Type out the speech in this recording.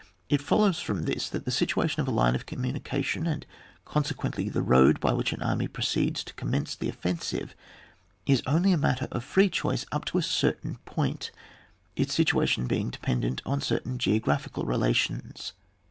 It follows from this that the situation of a line of communication, and consequently the road by which an army proceeds to commence the offensive, is only a matter of free choice up to a cer tain point, its situation being dependent on certain geographical relations.